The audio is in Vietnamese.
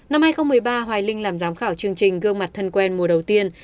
năm hai nghìn một mươi ba hoài linh làm giám khảo chương trình gương mặt thân quen mùa đầu tiên